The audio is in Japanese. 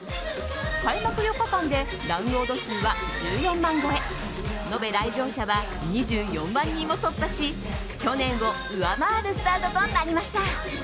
開幕４日間でダウンロード数は１４万超え延べ来場者は２４万人を突破し去年を上回るスタートとなりました。